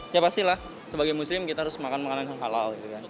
ya pastilah sebagai muslim kita harus makan makanan yang halal